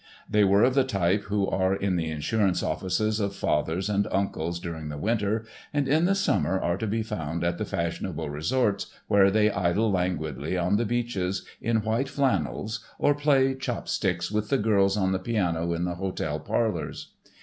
They were of the type who are in the insurance offices of fathers and uncles during the winter, and in the summer are to be found at the fashionable resorts, where they idle languidly on the beaches in white flannels or play "chopsticks" with the girls on the piano in the hotel parlors.